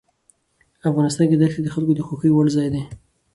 افغانستان کې ښتې د خلکو د خوښې وړ ځای دی.